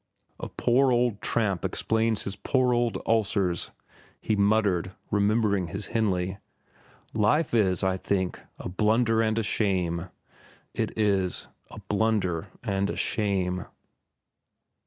"'A poor old tramp explains his poor old ulcers,'" he muttered, remembering his Henly. "'Life is, I think, a blunder and a shame.' It is—a blunder and a shame."